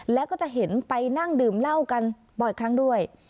แล้วก็จะเห็นไปนั่งดื่มเหล้ากันบ่อยครั้งด้วย